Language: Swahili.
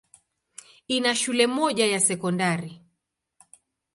Ina shule moja ya sekondari.